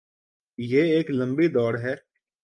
یہ ایک لمبی دوڑ ہے۔